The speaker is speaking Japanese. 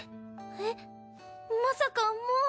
えっまさかもう。